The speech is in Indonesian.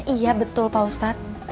iya betul pak ustadz